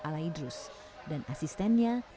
ala idrus dan asistennya